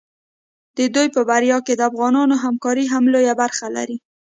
د دوی په بریا کې د افغانانو همکاري هم لویه برخه لري.